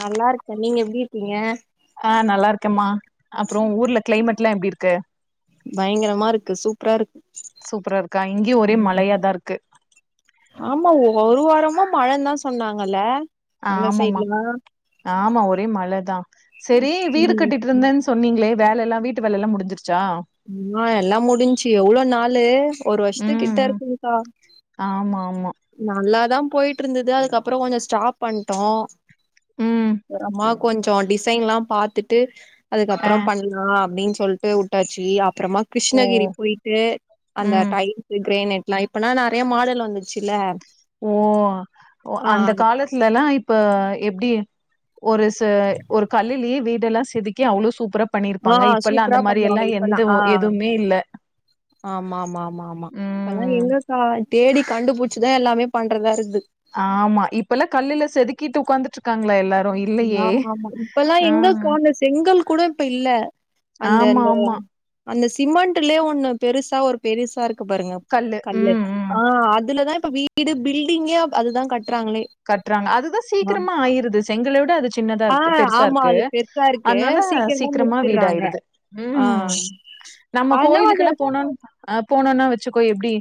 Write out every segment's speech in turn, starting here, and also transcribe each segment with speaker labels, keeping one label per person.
Speaker 1: நல்லா இருக்க நீங்க எப்டி இருக்கீங்க
Speaker 2: ஆ நல்லா இருக்கம்மா அப்றோ ஊர்ல கிளைமேட்ல்லா எப்டி இருக்கு
Speaker 1: பயங்கரமா இருக்கு சூப்பரா இருக்கு
Speaker 2: சூப்பரா இருக்கா இங்கியு ஒரே
Speaker 1: ம்
Speaker 2: மழையாதா இருக்கு
Speaker 1: ஆமா ஒரு வாரமா மழ தா சொன்னாங்கல
Speaker 2: ஆமாம்மா ஆமா ஒரே மழதா சரி வீடு கட்டிட்டு இருந்தேன் சொன்னீங்களே வேல எல்லா வீட்டு வேலல்லா முடிஞ்சிருச்சா
Speaker 1: ஆமா எல்லா முடிஞ்சு எவ்ள நாளு ஒரு வருஷத்து
Speaker 2: ம்
Speaker 1: கிட்ட
Speaker 2: ம்
Speaker 1: இருக்குங்கக்கா
Speaker 2: ஆமா ஆமா
Speaker 1: நல்லாதா போய்ட்டு இருந்துது அதுக்கப்புறோ கொஞ்ச ஸ்டாப் பண்ணிட்டோ
Speaker 2: ம்
Speaker 1: ஒரு அம்மாக் கொஞ்ச டிசைன்லா பாத்துட்டு
Speaker 2: ஆ
Speaker 1: அதுக்கப்புறோ பண் அப்டின்னு சொல்ட்டு உட்டாச்சு அப்பறமா
Speaker 2: ஓ
Speaker 1: கிருஷ்ணகிரி போய்ட்டு அந்த
Speaker 2: ம்
Speaker 1: டைம் கிரேனட் லா இப்பா நறைய மாடல் வந்துருச்சு இல்ல
Speaker 2: ஓ அந்த காலத்துலல்லா இப்ப எப்டி ஒரு ச ஒரு கல்லுலியே வீடெல்லா செதுக்கி அவ்ளோ சூப்பரா
Speaker 1: ஆ
Speaker 2: பண்ணிருப்பாங்க இப்ப எல்லா அந்த
Speaker 1: சூப்பரா
Speaker 2: மாரி எல்லா
Speaker 1: பண்ணுவாங்க
Speaker 2: எந்த
Speaker 1: இப்பல்லாம் ஆ
Speaker 2: எதுமே இல்ல
Speaker 1: ஆமா ஆமா ஆமா ஆமா அதல்லா
Speaker 2: ம்
Speaker 1: எங்க ஹ தேடி கண்டுபுடிச்சுதா எல்லாமே பண்றதா இருக்து
Speaker 2: ஆமா இப்பல்லா கல்லுல செதுக்கிட்டு உக்காந்து ட்ருக்காங்களா எல்லாரு இல்லையே
Speaker 1: ஆமா ஆமா இப்பல்லா
Speaker 2: ஆ
Speaker 1: எங்கக்கா அந்த செங்கல் கூட இப்ப இல்ல அந்த
Speaker 2: ஆமா
Speaker 1: அந்த
Speaker 2: ஆமா
Speaker 1: அந்த சிமெண்ட்லயே ஒண்ணு பெருசா ஒரு பெருசா இருக் பாருங்க கல்லு
Speaker 2: ம், ம்.
Speaker 1: ஆ அதுலதா இப்ப வீடு பில்டிங்கே அதுதா கட்றாங்களே
Speaker 2: கட்றாங்க அதுதா சீக்கிரமா ஆயிருது செங்கல விட அது சின்னதா
Speaker 1: ஆ
Speaker 2: இருக்கு பெருசா
Speaker 1: ஆமா
Speaker 2: இருக்கு
Speaker 1: அது பெருசா இருக்கு
Speaker 2: அதனால சீக்கிரமா வீடு
Speaker 1: முடிச்சிடுறாங்க
Speaker 2: ஆயிடுது
Speaker 1: ஆ
Speaker 2: ம் நம்ம
Speaker 1: ஆனா அது
Speaker 2: கோயிலுக்கெல்லா போனோன்னு அ போனோனா வச்சுக்கோ எப்டி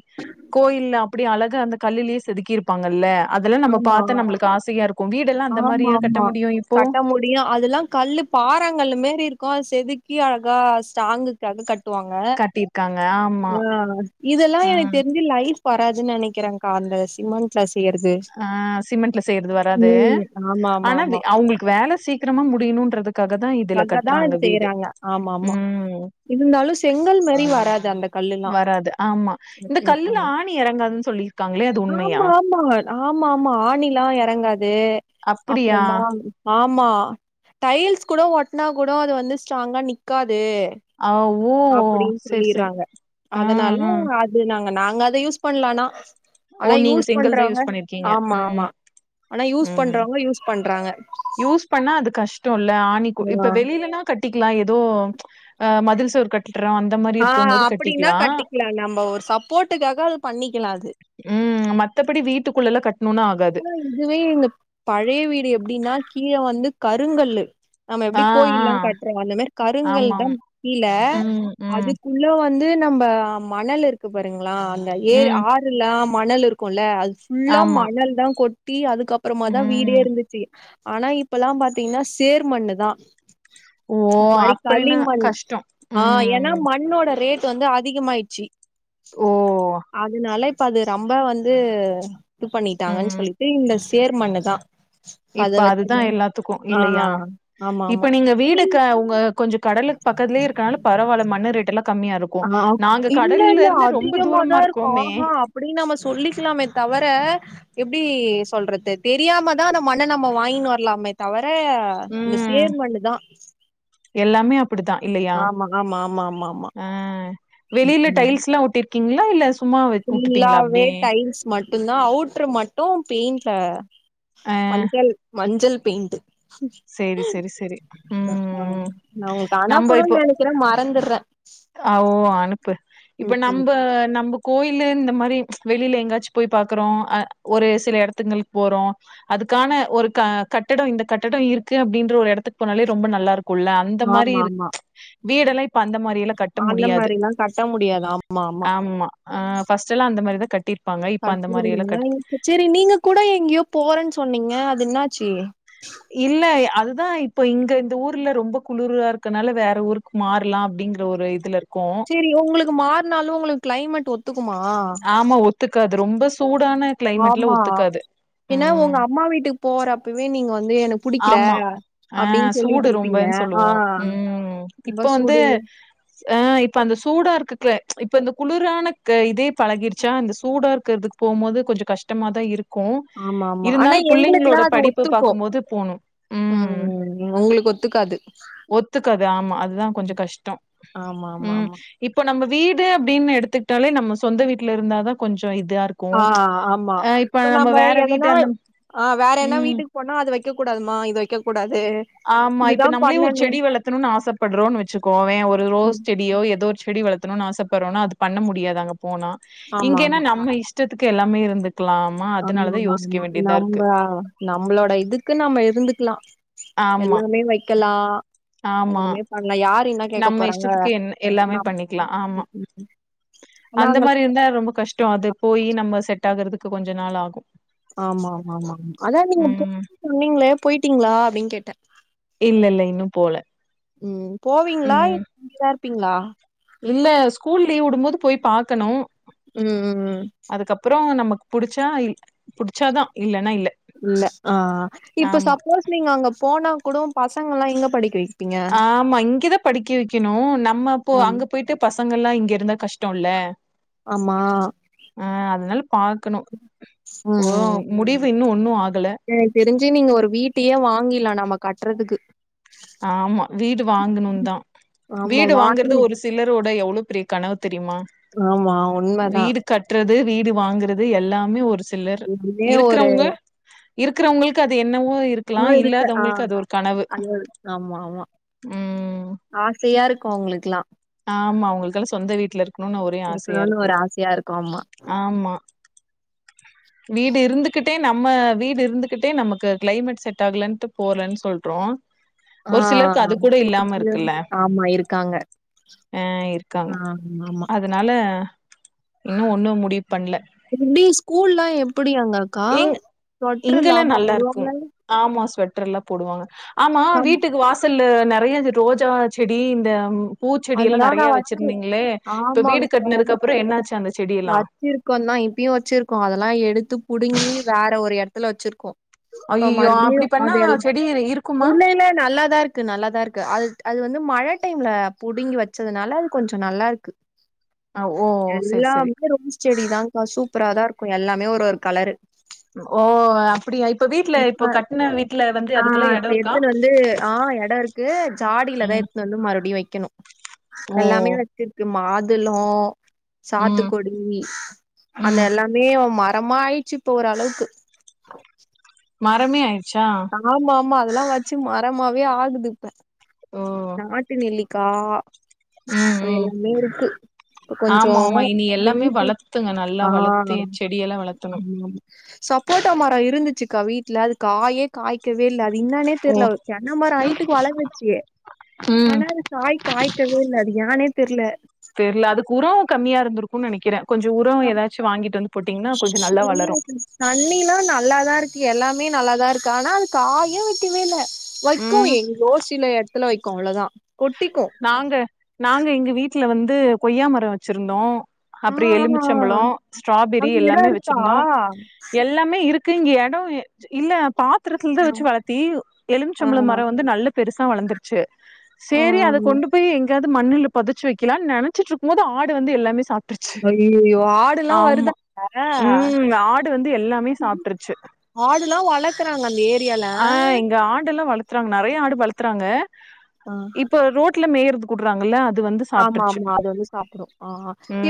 Speaker 2: கோயில்ல அப்டே அழகா அந்த கல்லுலே செதுக்கிருப் பாங்கல்ல அதெல்லா நம்ம
Speaker 1: ஆமா
Speaker 2: பாத்தா நம்மளுக்கு ஆசையா இருக்கு வீடெல்லா அந்த
Speaker 1: ஆமா
Speaker 2: மாரியா கட்ட
Speaker 1: ஆமா
Speaker 2: முடியு இப்போ
Speaker 1: கட்ட முடியு அதுல்லா கல்லு பாரங்கள் மாரி இருக்கும் செதுக்கி அழகா ஸ்ட்ராங்கு அது கட்டுவாங்க
Speaker 2: கட்டியிருக்காங்க. ஆமா.
Speaker 1: ஆஹ இதெல்லாம் எனக்கு
Speaker 2: ம்.
Speaker 1: தெரிஞ்ச லைப் இப்போ வராதுன்னு நினைக்கிறேங்க்கா அந்த சிமெண்ட்ல செய்யறது
Speaker 2: ஆஹ சிமெண்ட்ல செய்யறது வராது
Speaker 1: ம் ஆமா ஆமா
Speaker 2: ஆனா
Speaker 1: ஆமா
Speaker 2: அவங்களுக்கு வேலை சீக்கிரமா முடியணும்ன்றது காக தான் இதுல
Speaker 1: தங்கதா
Speaker 2: கட்டுறாங்க வீடு ம்
Speaker 1: இருந்தாலும் செங்கல் மாரி வராது அந்த கல்லுல்லா
Speaker 2: வராது ஆமா
Speaker 1: ம்
Speaker 2: இந்த
Speaker 1: ம்
Speaker 2: கல்லுல
Speaker 1: ம்
Speaker 2: ஆணி இறங்காதுன்னு சொல்லி
Speaker 1: ஆமா ஆமா ஆமா ஆமா ஆணிலாம் இறங்காது
Speaker 2: அப்டியா
Speaker 1: அப்புறமா ஆமா டைல்ஸ் கூட ஓட்டனா கூட அது வந்து ஸ்ட்ராங்கா நிக்காது
Speaker 2: ஆ ஓ
Speaker 1: அப்படின்னு
Speaker 2: சேரி சேரி
Speaker 1: சொல்லிறாங்க
Speaker 2: ஆ
Speaker 1: அதனால
Speaker 2: ஆ
Speaker 1: அது து இங்க நாங்க அத யூஸ் பண்ணலானா
Speaker 2: ஓ
Speaker 1: ஆனா
Speaker 2: நீங்க
Speaker 1: யூஸ்
Speaker 2: செங்கல் தா
Speaker 1: பண்றங்க
Speaker 2: யூஸ் பண்ணிருக்கீங்க
Speaker 1: ஆமா
Speaker 2: ம்
Speaker 1: ஆமா ஆனா யூஸ்
Speaker 2: ம்
Speaker 1: பண்றவங்க யூஸ் பண்றாங்க
Speaker 2: யூஸ் பண்ணா அது கஷ்டம் இல்ல ஆணி கு
Speaker 1: ஆ
Speaker 2: இப்ப வெளிலனா கட்டிக்கலாம் ஏதோ மதில் சுவர் கட்றோம்
Speaker 1: ஆ அப்டின்னா கட்டிக்கலாம் நம்ம ஒரு சப்போர்ட்டுக்காக அது பண்ணிக்கலாம் அது
Speaker 2: ம் மத்தபடி வீட்டுக்குள்ள எல்லாம் கட்டணும்னா ஆ
Speaker 1: ஆ இதுவே இந்த பழைய வீடு எப்டின்னா கீழே வந்து கருங்கல்லு நம்ம எப்டி
Speaker 2: ஆ ஆ
Speaker 1: கோயில்லாம் கட்டுறோம் அந்த மாரி கருங்கள்
Speaker 2: ஆமாம்
Speaker 1: தான் கீழ
Speaker 2: ம் ம்
Speaker 1: அதுக் உள்ள வந்து நம்ப மணல் இருக்கு பாருங்களா அந்த ஏ
Speaker 2: ம்
Speaker 1: ஆ லா மணல் இருக்குல அது ஃபுல்லா
Speaker 2: ஆமா
Speaker 1: மணல் தான் கொட்டி அதுக்கப்புறமா தான் வீடே
Speaker 2: ம்
Speaker 1: இருந்துச் சி ஆனா இப்பல்லாம் பாத்தீங்கன்னா சேர்மண்ணு தான்
Speaker 2: ஓ
Speaker 1: அது மாரி களி
Speaker 2: அப்படின்னா
Speaker 1: மண்ணு
Speaker 2: கஷ்டோ
Speaker 1: ஆ ஏன்னா
Speaker 2: ம்
Speaker 1: மண்ணோட ரேட் ட் வந்து அதிகமாயிச்சி
Speaker 2: ஓ
Speaker 1: அதனாலப் ப்ப அது ரொம்ப வந்து இது பண்ணிட் டாங்கன்னு
Speaker 2: ம்
Speaker 1: சொல்லிட்டு இந்தஸ் சேர் மண்ணுதான்
Speaker 2: இப்ப அதுதான் எல்லாத்துக்கும் இல்லையா
Speaker 1: ஆமா ஆமா
Speaker 2: இப்ப நீங்க
Speaker 1: நீங்
Speaker 2: வீடுக்கு உங்க கொஞ்ச கடலுக்கு பக்கத்லே இருக்கனால பரவாயில்ல மண்ணு ரேட்டல்லாம் கம்மியா இருக்கும்
Speaker 1: ஹலோ இல்ல இல்ல
Speaker 2: தூரமா
Speaker 1: அதிகமாதான் இருக்கும்
Speaker 2: இருக்கோமே
Speaker 1: ஆஹா அப்டி நம்ம சொல்லிக்கலாமே தவிர எப்டி சொல்றது தெரியாம தான் அந்த மண்ண நம்ம வாங்கினு வர்லாமே தவிர அ இந்த
Speaker 2: ம்
Speaker 1: சேர்மண்ணு தான்
Speaker 2: எல்லாமே அப் புடி தான் இல்லையா
Speaker 1: ஆமா ஆமா ஆமா ஆமா ஆமா
Speaker 2: ஆ
Speaker 1: ம்
Speaker 2: வெளில
Speaker 1: ம்
Speaker 2: டைல்ஸ்ல்லாம் ஒட்டிருக்கீங்களா இல்ல சு சும்மா வி வுட்டுட்டீங்களா அப்டே
Speaker 1: மட்டும்தான் அவுட்ரு மட்டும் பெயிண்ட்ல
Speaker 2: ஆ
Speaker 1: மஞ்சள் மஞ்சள் பெயிண்ட்
Speaker 2: சேரி செரி செரி
Speaker 1: நான் உனக்கு அனுப்பனுனு நெனைக்குற மறந்துறேன்
Speaker 2: அ ஓ அனுப்பு இப்ப
Speaker 1: ம்
Speaker 2: நம்ப நம்பு கோயிலு இந்த மாரி வெளில எங்காச்சும் போய் பாக்குறோம் அ ஒரு சில எடத்துங்களுக்கு போறோம் அதுக்கான ஒரு க கட்டடம் இந்த கட்டடம் இருக்கு அப்டின்ற ஒரு எடத்துக்கு போனாலே ரொம்ப நல்லா இருக்கும் குள்ள அந்த மாரி
Speaker 1: ஆமா
Speaker 2: இரு
Speaker 1: ஆமா
Speaker 2: வீடெல்லாம் இப்ப அந்த மாரி எல்லா கட்ட
Speaker 1: அந்த
Speaker 2: முடியாது
Speaker 1: மாரிலாம் கட்ட முடியாது ஆமா ஆமா
Speaker 2: ஆ ஃபர்ஸ்டெல்லாம் அந்த மாரிதான் கட்டிருப்பாங்க இப்ப அந்த மாரிலா கட்
Speaker 1: கட்டிருந்தாங்க செரி நீங்க கூட எங்கேயோ போறேன்னு சொன்னீங்க அது என்னாச்சு
Speaker 2: இல்ல அதுதா இப்போ இங்க இந்த ஊர்ல ரொம்ப குளிரா இருக்கனால வேற ஊருக் மாற்லாம் அப்டிங்கற ஒரு இதுல இருக்கோ
Speaker 1: செரி உங்களுக்கு மாற்னாலு உங்களுக்கு கிளைமேட் ஒத் த்துக்குமா
Speaker 2: ஆமா ஒத்துக்காது ரொம்ப சூடான கிளைமேட்ல
Speaker 1: ஆமா
Speaker 2: ஒத்துக்காது
Speaker 1: பின்ன உங்க
Speaker 2: ம்
Speaker 1: அம்மா வீட்டுக்கு போறப்பவே நீங்க வந்து எனக்
Speaker 2: ஆமா அ சூடு
Speaker 1: இருப்பீங்க
Speaker 2: ரொம்பன்
Speaker 1: ஆ
Speaker 2: சொல்லுவோ ம்
Speaker 1: ரொம்ப
Speaker 2: இப்போ வந்து
Speaker 1: சூடு
Speaker 2: ஆ இப்ப அந்த சூடா இருக்க கிளை இப்ப இந்த குளுரானக் இதே பழகிடுச்சா அந்த சூடா இருக்கறதுக் போம்போது கொஞ்ச கஷ்டமா தா இருக்கு
Speaker 1: ஆமா ஆமா ஆனா
Speaker 2: இருந்தாலு
Speaker 1: எங்களுக்குல்லா
Speaker 2: புள்ளைங்களோட
Speaker 1: அது
Speaker 2: படிப்பு
Speaker 1: ஒத்துக்கு
Speaker 2: பாக்கும் போது
Speaker 1: ம் உங்களுக் ஒத்துக்காது
Speaker 2: ஒத்துக்காது ஆமா அதுதா கொஞ்ச கஷ்ட
Speaker 1: ஆமா ஆமா
Speaker 2: ம்
Speaker 1: ஆமா
Speaker 2: இப்போ நம்ம வீடு அப்டின் எடுத்துக்கிட்டாலே நம்ம சொந்த வீட்ல இருந்தா தா கொஞ்ச இதா இருக்
Speaker 1: ஆ ஆமா இப்ப நாம
Speaker 2: வீட்டு
Speaker 1: எதனா
Speaker 2: அந்த
Speaker 1: ஆ வேற என்ன
Speaker 2: ம்
Speaker 1: வீட்டுக் போனா அது வெக்க கூடாதுமா இது வைக்க கூடாது
Speaker 2: ஆமா இப்ப
Speaker 1: இதுதா
Speaker 2: நம்மளே ஒரு
Speaker 1: பண்ணணு
Speaker 2: செடி வளர்த்தணுனு ஆசப்படுறோ வச்சுக்கோவே ஒரு ரோஸ்
Speaker 1: ம்
Speaker 2: செடியோ ஏதோ ஒரு செடி வளத்தணுனு ஆசைப்படுறோனா அது பண்ண முடியாது அங்க போனா
Speaker 1: ஆமா
Speaker 2: இங்கனா
Speaker 1: ஆமா
Speaker 2: நம்ம இஷ் ஷ்டத்துக்கு எல்லாமே இருந்துக்லா
Speaker 1: ஆமா ஆமா ஆமா நம்ப நம்பளோட இதுக்கு நம்ம இருந்துக்லா
Speaker 2: ஆமா
Speaker 1: எல்லாமே வைக்கலா
Speaker 2: ஆமா
Speaker 1: எல்லாமே பண்ணலா யாரு என்ன கேக்க
Speaker 2: நம்ம
Speaker 1: போறாங்க
Speaker 2: இஷ்டத்துக்கு என் எல்லாமே பண்ணிக்லா ஆமா அந்த
Speaker 1: நம்மளாங்க
Speaker 2: மாரி இருந்தா ரொம்ப கஷ்ட அது போய் நம்ம செட் ஆகுறதுக்கு கொஞ்ச நாள் ஆகு
Speaker 1: ஆமா ஆமா ஆமா ஆமா அதான் நீங்க போ
Speaker 2: ம்
Speaker 1: சொன்னீங்ளே போயிட்டீங்ளா அப்டின் கேட்ட
Speaker 2: இல்ல இல்ல இன்னு போல
Speaker 1: ம் போவீங்ளா இல்
Speaker 2: ம்
Speaker 1: இங்கதா இருப்பீங்ளா
Speaker 2: இல்ல ஸ்கூல் லீவ் வுடும்போது போய் பாக்கணு
Speaker 1: ம் ம் ம்
Speaker 2: அதுக்கப்றோ நமக்கு புடிச்சா இல் புடிச்சாதா இல்லன்னா இல்ல
Speaker 1: இல்ல ஆ இப்போ
Speaker 2: ஆமா
Speaker 1: சப்போஸ் நீங்க அங்க போனா கூடோ பசங்கல்லா எங்க படிக்க வெக்
Speaker 2: ஆமா இங்கதா படிக்க வெக்கணு நம்மப்போ
Speaker 1: ம்.
Speaker 2: அங்க போயிட்டு பசங்கல்லா இங்கயிருந்தா கஷ்டோல்ல
Speaker 1: ஆமா
Speaker 2: அ அதனால பாக்கனு
Speaker 1: ம்
Speaker 2: இப்போ
Speaker 1: ம்
Speaker 2: முடிவு இன்னு ஒன்னு ஆகல
Speaker 1: எனக்கு தெரிஞ்சு நீங்க ஒரு வீட்டையே வாங்கிலா நாம கட்றதுக்கு
Speaker 2: ஆமா வீடு வாங்கணுதா
Speaker 1: ஆமா
Speaker 2: வீடு
Speaker 1: வாங்கி
Speaker 2: வாங்கற்து ஒரு சிலர் யோட எவ்ளோ பெரிய கனவு தெரியுமா
Speaker 1: ஆமா உண்மதா
Speaker 2: ட்டுறது வீடு வாங்கறது எல்லாமே ஒரு சிலர்
Speaker 1: ஒரே ஒரு
Speaker 2: இருக்றவுங்க இருக்றவங்களுக்கு அது என்னவோ இருக்கலா
Speaker 1: இன்னும் இருக்கு ஆ
Speaker 2: இல்லாதவங்களுக்கு அது ஒரு கனவு
Speaker 1: அது ஆமா ஆமா
Speaker 2: ம்
Speaker 1: ஆசையாயிருக்கு அவுங்களுக்கெல்லா
Speaker 2: ஆமா அவுங்களுக்கெல்லா சொந்த வீட்ல இருக்கணுன் ஒரே
Speaker 1: இருக்கணும்னு
Speaker 2: ஆசையாருக்கு
Speaker 1: ஒரு ஆசையா இருக்கு ஆமா
Speaker 2: ஆமா வீடு இருந்துகிட்டே நம்ம வீடு இருந்துகிட்டே நமக்கு கிளைமேட் செட் ஆகலட்டு போலன் சொல்றோ
Speaker 1: ஆ
Speaker 2: ஒரு சிலருக்கு
Speaker 1: அ
Speaker 2: அது கூட இல்லாம
Speaker 1: [unintelligible]
Speaker 2: இருக்குல்ல
Speaker 1: ஆமா இருக்காங்க
Speaker 2: அ இருக்காங்க
Speaker 1: ஆமாமா
Speaker 2: அதனால இன்னு ஒண்ணு முடிவு பண்ல
Speaker 1: எப்டி ஸ்கூல்லா எப்டி அங்கக்கா
Speaker 2: இங் இங்கெல்லா
Speaker 1: சொட்ருலாமா
Speaker 2: நல்லா இருக்கு
Speaker 1: போடுவாங்க
Speaker 2: ஆமா ஸ்வெட்டர்ல்லா போடுவாங்க ஆமா
Speaker 1: கம்
Speaker 2: வீட்டுக்கு வாச சல்லு நறைய இந்த ரோஜா செடி இந்த பூச்செடி எல்லா
Speaker 1: அதெல்லா நா
Speaker 2: நறைய
Speaker 1: வ
Speaker 2: வெச்சிருந்தீங்ளே இப்ப வீடு
Speaker 1: ஆமாக்கா
Speaker 2: கட்னதுக்கு அப்றோ என்னாச்சு அந்த செடி எல்லா
Speaker 1: வெச்சிருக்கோந்தா இப்பயு வெச்சிர்கோ அதெல்லா எடுத்து புடுங்கி வேற ஒரு எடத்துல வெச்சிருக்கோ இப்ப
Speaker 2: ஐயயோ
Speaker 1: மறுபடியு
Speaker 2: அப்டி பண்ணா
Speaker 1: அது எல்
Speaker 2: செடி இருக்குமா
Speaker 1: இல்ல இல்ல நல்லாதா இருக் கு நல்லாதா இருக்கு அது அது வந்து மழை டைம்ல புடுங்கி வெச்சதுனால அது கொஞ்சோ நல்லா இருக்கு
Speaker 2: ஓ செரி செரி
Speaker 1: எல்லாமே ரோஸ் செடிதான்க்கா சூப்பரா தா இருக்கு எல்லாமே ஒரு ஒரு கலரு
Speaker 2: ஓ அப்படியா இப்ப வீட்ல இப்ப கட்ன வீட்ல வந்து
Speaker 1: ஆ
Speaker 2: அதுக்கெல்லா
Speaker 1: இப்ப
Speaker 2: எடோ இருக்கா
Speaker 1: எத்துன்னு வந்து ஆ எடோ இருக் கு ஜாடியிலதா
Speaker 2: ம்.
Speaker 1: எத்துனு வந்து மறுபுடியு வைக்கனு எல்லாமே
Speaker 2: ஓ!
Speaker 1: வெச்சிருக்கு மாதுளோ சாத்
Speaker 2: ம்,
Speaker 1: துக்குடி அந்த
Speaker 2: ம்.
Speaker 1: எல்லாமே மரமா ஆயிச்சு இப்ப ஓரளவுக்கு
Speaker 2: மரமே ஆயிர்ச்சா
Speaker 1: ஆமா ஆமா அதெல்லா வெச்சு மரமாவே ஆகுது
Speaker 2: ஓ!
Speaker 1: நாட்டு நெல்லிக்கா
Speaker 2: ம்,
Speaker 1: அது
Speaker 2: ம்.
Speaker 1: எல்லாமே இருக்கு இப்ப கொஞ்சோ
Speaker 2: ஆமா, ஆமா. இனி எல்லாமே
Speaker 1: [unintelligible]
Speaker 2: வளர்த்துங்க. நல்லா
Speaker 1: ஆ
Speaker 2: வளர்த்து செடியெல்லாம் வளர்த்தணும்.
Speaker 1: ஆமா சப்போட்டா மரோ இருந்துச்சுக்கா வீட்ல அது காயே காய்க் கவேயில்ல அது இன்னானே
Speaker 2: ஓ!
Speaker 1: தெர்ல தென்னமரோ ஐட்டுக்கு வளந்துச்சு
Speaker 2: ம்.
Speaker 1: ஆனா அது காய் காய்க்கவே இல்ல அது ஏனே தெர்ல
Speaker 2: தெர்ல அதுக்கு உரோ கம்மியா இருந்துருக்கு நனைக்கற கொஞ்சோ உரோ ஏதாச்சு வாங்கிட்டு வந்து போட்டீங்கன்னா, கொஞ்சம் நல்லா
Speaker 1: தெர்லங்க
Speaker 2: வளரும்.
Speaker 1: தண்ணிலா நல்லாதா இருக்கு எல்லாமே நல்லாதா இருக்கு ஆனா அது காயு வெக்கவே இல்ல வைக்கும்
Speaker 2: ம்.
Speaker 1: எங்கோ சில எடத்துல வைக்கு அவ்ளோதா கொட்டிக்கு
Speaker 2: நாங்க நாங்க எங்க வீட்ல வந்து கொய்யா மரோ வச்சிருந்தோ
Speaker 1: ஆ
Speaker 2: அப்புறோ
Speaker 1: ஆ
Speaker 2: எலுமிச்சம்பழோ ஸ்ட்ராபெரி
Speaker 1: அங்க எடோ
Speaker 2: எல்லாமே
Speaker 1: இருக்கா
Speaker 2: வச்சிருந்தோ எல் எல்லாமே இருக்கு இங்க எடோ இல்ல பா த்துறத்துல தா
Speaker 1: ஆ
Speaker 2: வச்சு வளத்தி
Speaker 1: ஆ
Speaker 2: எலுச்சம்பழம் மரோ வந்து நல்ல பெருசா வளர்ந்துருச்சு
Speaker 1: ஆ ஆ.
Speaker 2: சேரி அத கொண்டு போய் எங்காவது மண்ணுல பொதச்சு வைக்கலான் நெனச்சிட்ருக்கும் போது ஆடு வந்து எல்லாமே சாப்
Speaker 1: ஐயையோ ஆடுல்லா
Speaker 2: ஆமா
Speaker 1: வருதாங்க
Speaker 2: ம் ஆடு வந்து எல்லாமே சாப்ட்டுருச்சு
Speaker 1: ஆடுல்லா வளர்க்கறாங்க அந்த ஏரியால
Speaker 2: அந்த ஆடெல்லா வள த்றாங்க நறைய ஆடு வளர்த்தறாங்க
Speaker 1: ஆ
Speaker 2: இப்ப ரோட்ல மேய்றதுக் உட்றாங்கல்ல அது வந்து
Speaker 1: ஆமா
Speaker 2: சாப்ட்ருச்சு
Speaker 1: ஆமா அது வந்து சாப்ட்ரு ஆ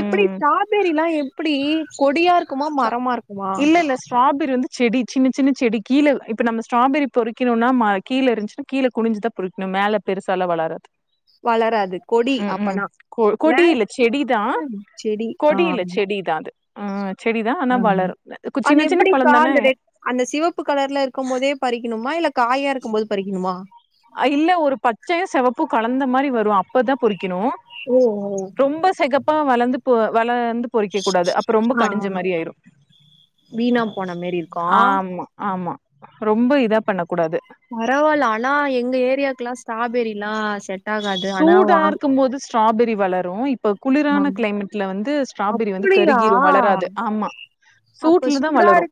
Speaker 1: எப்டி ஸ்டராபெரி எல்லா எப்டி கொடியா இருக்குமா
Speaker 2: ஸ்டா
Speaker 1: மரமா இருக்குமா
Speaker 2: இல்ல இல்ல ஸ்ட்ராபெரி வந்து செடி சின்ன சின்ன செடி கீழ இப்ப நம்ம ஸ்ட்ராபெரி பொறிக்கணுனா மா கீழ இருந்துச்னா கீழ குனுஞ்சுதா பொறிக்கணு மேல பெருசால வளராது
Speaker 1: வளராது கொடி
Speaker 2: ம் ம்
Speaker 1: அப்பனா
Speaker 2: கொ
Speaker 1: இல்ல
Speaker 2: கொடியில்ல செடிதா
Speaker 1: செடி ஆ
Speaker 2: கொடியில்ல செடி தா அது ம் செடிதா ஆனா
Speaker 1: ஆ.
Speaker 2: வளரு
Speaker 1: அது
Speaker 2: சின்ன சின்ன பழோ
Speaker 1: எப்டிக்கா
Speaker 2: தான
Speaker 1: அந்த ரெட் அந்த சிவப்பு கலர்ல இருக்கும் மோதே பறிக்கணுமா இல்ல காயா இருக்கும் போது பறிக்கணுமா
Speaker 2: இல்ல ஒரு பச்சையு செவப்பு கலந்த மாரி வரு அப் இப்பதா பொறிக்கணு
Speaker 1: ஓ ஓ
Speaker 2: ரொம்ப செகப்பா வளர்ந்து போ வளந்து பொறிக்க கூடாது அப்ப ரொம்ப
Speaker 1: ஆ ஆ
Speaker 2: கனிஞ்ச மாரி ஆயிரு
Speaker 1: வீணா போன மாரி இருக்கா
Speaker 2: ஆமா ஆமா ரொம்ப இதா பண்ண கூடாது
Speaker 1: பரவால்ல ஆனா எங்க ஏரியாக்குல்லா ஸ்டாபெரிலா செட் ஆகாது ஆனா
Speaker 2: சூடா
Speaker 1: வாங்
Speaker 2: இருக்கும் போது ஸ்ட்ராபெரி வளரு இப்ப
Speaker 1: ஆ
Speaker 2: குளிரான கிளைமெட்ல வந்து ஸ்ட்ராபெரி வந்து
Speaker 1: அப்டியா
Speaker 2: கருகீரு வளராது ஆமா
Speaker 1: அப்ப
Speaker 2: சூட்லதா
Speaker 1: சூடா இரு
Speaker 2: வளரு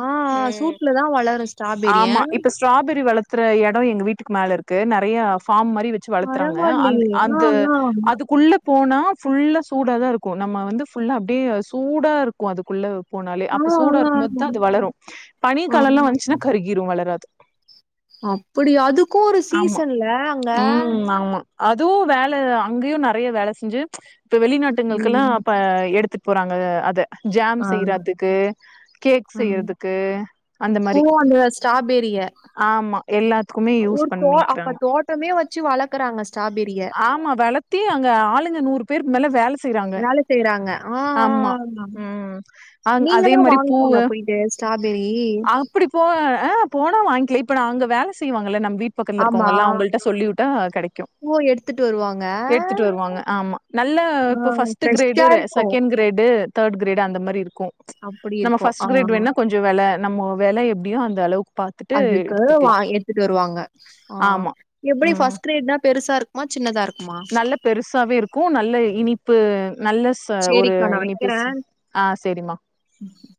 Speaker 1: ஆ ஆ சூட்ல தா வளரு ஸ்ட்ராபெரி அ
Speaker 2: மா இப்ப ஸ்ட்ராபெரி வளத்துற எடொ எங்க வீட்டுக்கு மேல இருக்கு நொறைய ஃபார்ம் மாரி வச்சு த்துறாங்க அந்
Speaker 1: பரவாயில்லையே ஆ
Speaker 2: அந்த
Speaker 1: ஆ
Speaker 2: அதுக்குள்ள போனா ஃபுல்லா சூடா தா இருக்கு நம்ம வந்து ஃபுல்லா அப்டியே சூடா இருக்கு அதுக்குள்ள போனாலே
Speaker 1: ஆ
Speaker 2: அப்ப சூடா
Speaker 1: ஆ
Speaker 2: இருக்கு போது தா அது வளரு பனி
Speaker 1: ஆ
Speaker 2: காலொலா வந்துச்சுன்னா கருகிரு வளராது
Speaker 1: அப்புடியா அதுக்கு ஒரு
Speaker 2: ஆமா
Speaker 1: சீசன்ல அங்க
Speaker 2: ம் ஆமா அதுவு வேல அங்கயு நெறைய வேல செஞ்சு இப்ப வெளிநாட்டுங்களுக்கெல்லா
Speaker 1: ம்
Speaker 2: இப்ப எடுத்துட் போறாங்க அது ஜாம்
Speaker 1: ஆ
Speaker 2: செய்றாதுக்கு கேக்
Speaker 1: ஆ
Speaker 2: செய்யற்துக்கு அந்த
Speaker 1: ஓ
Speaker 2: மாரி
Speaker 1: அந்த ஸ்ட்ராபெரிய
Speaker 2: ஆமா எல்லாத்துக்குமே யூஸ் பண்ணிக்றாங்க
Speaker 1: எப்பமே வச்சு வளக்கறாங்க ஸ்ட்ராபெரிய
Speaker 2: ஆமா வளத்தி அங்க ஆளுங்கள நூறு பேருக்கு மேல வேல செய்றாங்க
Speaker 1: வேல செய்றாங்க ஆ ஆ ஆமா
Speaker 2: ம் அங் அதே
Speaker 1: நீங்களா
Speaker 2: மாரி பூவு
Speaker 1: வாங்குறீங்ளா போயிட்டு ஸ்ட்ராபெரி
Speaker 2: அப்டி போ அ போனா வாங்கிக்லா இப்ப நா அங்க வேல செய்வாங்கல நம்ம வீட் பக்கத்ல இருக்கவுங்கல்லா அவுங்கள்ட்ட சொல்லிவிட்டா கெடைக்கு
Speaker 1: போ எடு
Speaker 2: எட்த்துட்டு வருவாங்க ஆமா நல்ல
Speaker 1: ஆ
Speaker 2: இப்ப ஃபஸ்ட்டு கிரேடு
Speaker 1: ஃப்ரெஷ்ஷா
Speaker 2: ரெ
Speaker 1: இருக்கு
Speaker 2: செகண்ட் கிரேடு தேர்ட் கிரேடு அந்த மாரி இருக்கு
Speaker 1: அப்படி
Speaker 2: நம்ம
Speaker 1: இருக்கு
Speaker 2: ஃபஸ்ட்
Speaker 1: ஆ
Speaker 2: கிரேடு வேணுனா கொஞ்ச ச வெல நம்ம வெல எப்டியோ அந்த அளவுக்கு பாத்
Speaker 1: அதுக்கு வா எட்த்துட்டு வருவாங்க ஆ
Speaker 2: ஆமா
Speaker 1: எப்புடி
Speaker 2: ம்
Speaker 1: ஃபஸ்ட் கிரேட்னா பெருசா இருக்கு குமா சின்னதா இருக்குமா
Speaker 2: நல்ல பெருசாவே இருக்கு நல்ல இனிப்பு நல்ல ச ஒரு
Speaker 1: சேரிக்கா
Speaker 2: இனிப்பு ச ஆ சேரிம்மா
Speaker 1: ம்